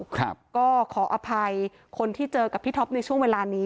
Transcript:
ครับก็ขออภัยคนที่เจอกับพี่ท็อปในช่วงเวลานี้